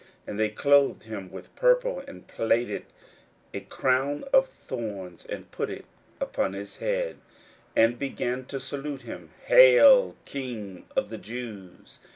41:015:017 And they clothed him with purple, and platted a crown of thorns, and put it about his head, 41:015:018 And began to salute him, Hail, King of the Jews!